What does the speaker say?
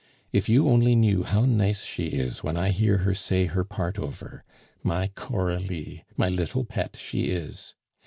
If you only knew how nice she is when I hear her say her part over! My Coralie, my little pet, she is!